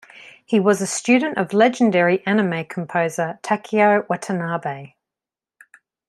He was a student of legendary anime composer Takeo Watanabe.